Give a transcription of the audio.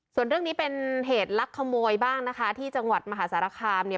ส่วนเรื่องนี้เป็นเหตุลักขโมยบ้างนะคะที่จังหวัดมหาสารคามเนี่ย